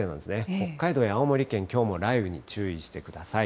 北海道や青森県、きょうも雷雨に注意してください。